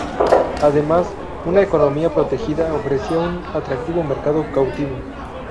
Además, una economía protegida ofrecía un atractivo mercado cautivo.